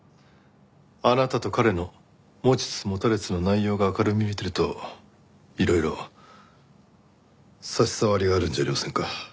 あなたと彼の持ちつ持たれつの内容が明るみに出るといろいろ差し障りがあるんじゃありませんか？